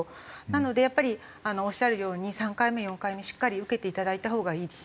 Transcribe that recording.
なのでやっぱりおっしゃるように３回目４回目しっかり受けていただいたほうがいいです。